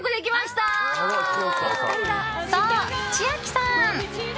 そう、千秋さん！